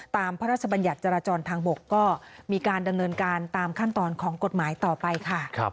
พระราชบัญญัติจราจรทางบกก็มีการดำเนินการตามขั้นตอนของกฎหมายต่อไปค่ะ